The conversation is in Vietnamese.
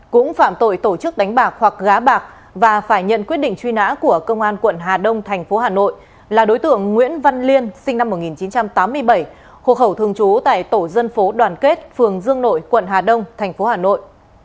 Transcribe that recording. cũng phạm tội tổ chức đánh bạc hoặc gá bạc và phải nhận quyết định truy nã của công an quận hà đông thành phố hà nội là đối tượng nguyễn văn liên sinh năm một nghìn chín trăm tám mươi bảy hộ khẩu thường trú tại tổ dân phố đoàn kết phường dương nội quận hà đông tp hà nội